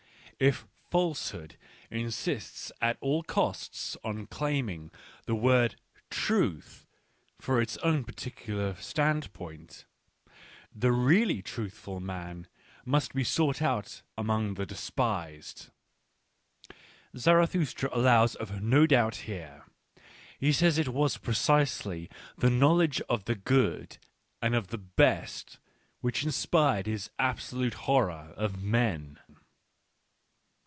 If falsehood insists at all costs on claiming the word " truth " for its own particular standpoint, the really truthful man must be sought out among the de spised. Zarathustra allows of no doubt here ; he says that it was precisely the knowledge of the good, of the " best," which inspired his absolute horror of men.